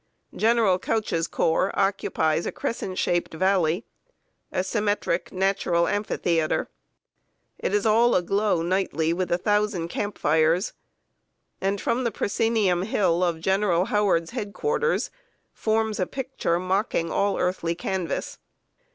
General Couch's corps occupies a crescent shaped valley a symmetric natural amphitheater. It is all aglow nightly with a thousand camp fires; and, from the proscenium hill of General Howard's head quarters, forms a picture mocking all earthly canvas.